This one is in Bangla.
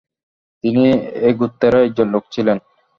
তিনি এ গোত্রেরই একজন লোক ছিলেন।